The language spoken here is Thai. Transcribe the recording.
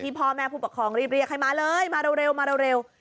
ที่พ่อแม่ผู้ปกครองรีบเรียกใครมาเลยมาเร็ว